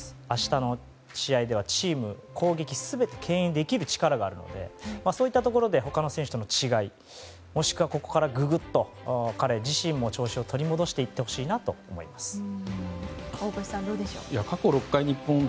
明日の試合ではチーム、攻撃全て牽引できる力があるのでそういったところで他の選手との違いもしくは、ここからググっと彼自身も調子を取り戻していってほしいと思います。